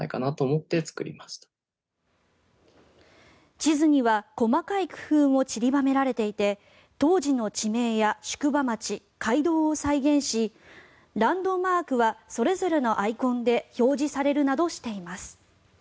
地図には細かい工夫もちりばめられていて当時の地名や宿場町、街道を再現しランドマークはそれぞれのアイコンで表示されるなどしています。